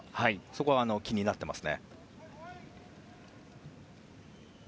そこは気になっています。